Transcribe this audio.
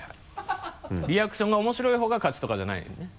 リアクションが面白い方が勝ちとかじゃないよね？